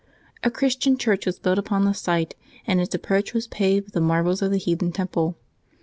A Christian church was built upon the site, and its approach was paved with the marbles of the heathen temple.